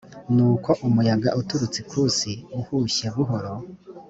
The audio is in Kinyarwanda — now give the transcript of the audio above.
nuko umuyaga uturutse ikusi uhushye buhoro